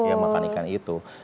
yang makan ikan itu